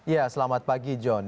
ya selamat pagi john